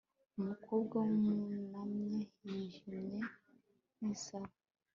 Umukobwa wunamye yijimye nkisaro